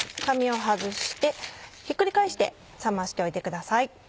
紙を外してひっくり返して冷ましておいてください。